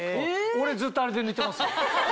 俺ずっとあれで寝てますよ。